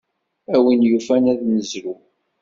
A win yufan ad nezrew.